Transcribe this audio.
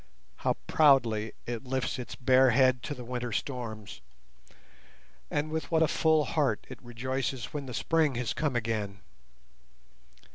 How proudly it lifts its bare head to the winter storms, and with what a full heart it rejoices when the spring has come again!